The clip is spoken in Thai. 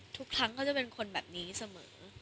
ทุกครั้งเขาจะเป็นคนแบบนี้เสมอ